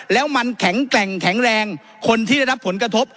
แล้วมันแข็งแกร่งแข็งแรงคนที่ได้รับผลกระทบ